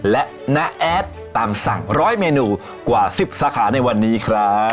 และน้าแอดตามสั่ง๑๐๐เมนูกว่า๑๐สาขาในวันนี้ครับ